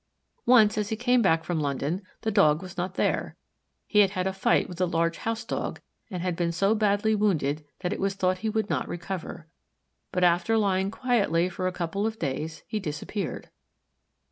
Once, as he came back from London, the Dog was not there. He had had a fight with a large Housedog and been so badly wounded that it was thought he would not recover. But after lying quietly for a couple of days he disappeared.